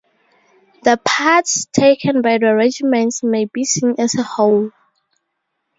The parts taken by the regiments may be seen as a whole.